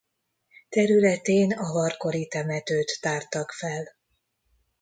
Területén avar kori temetőt tártak fel.